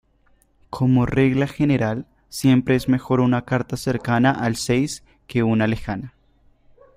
Como regla general, siempre es mejor una carta cercana al seis que una lejana.